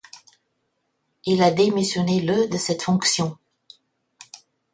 Il a démissionné le de cette fonction.